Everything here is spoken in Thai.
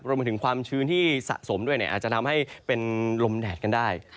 มาถึงความชื้นที่สะสมด้วยอาจจะทำให้เป็นลมแดดกันได้